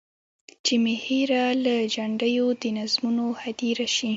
چي مي هېره له جنډیو د نظمونو هدیره سي.